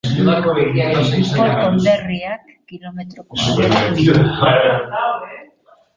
Polk konderriak kilometro koadro ditu.